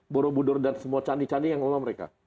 borobudur dan semua candi candi yang lolos mereka